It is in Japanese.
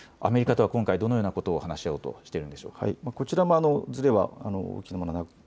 アメリカとは今回、どのようなことを話し合おうとしているんでしょうか。